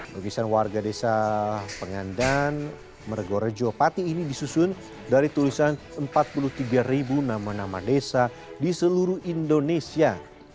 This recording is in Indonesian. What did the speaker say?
lukisan warga desa pengandan mergorejo pati ini disusun dari tulisan empat puluh tiga ribu nama nama desa di seluruh indonesia